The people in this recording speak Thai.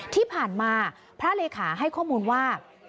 ที่ผ่านมาพระเลขาให้ข้อมูลว่า